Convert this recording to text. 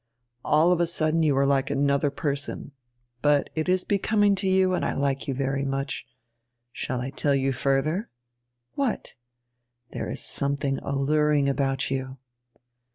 "All of a sudden you are like anodier person. But it is becoming to you and I like you very much. Shall I tell you furdier?" "What?" "There is something alluring about you."